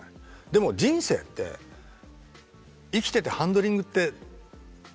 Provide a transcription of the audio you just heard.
でも人生って生きててハンドリングってできないわけよね。